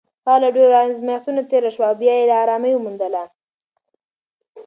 هغه له ډېرو ازمېښتونو تېره شوه او بیا یې ارامي وموندله.